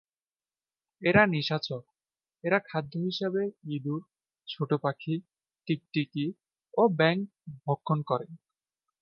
এরা নিশাচর, এরা খাদ্য হিসেবে ইঁদুর, ছোট পাখি, টিকটিকি ও ব্যাঙ ভক্ষণ করে।